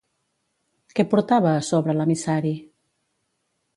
Què portava a sobre l'emissari?